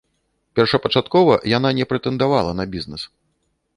Першапачаткова яна не прэтэндавала на бізнэс.